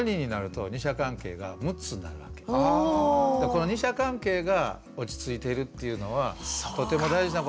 この二者関係が落ち着いてるっていうのはとても大事なことなんです。